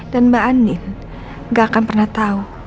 dan mbak andin gak akan pernah tahu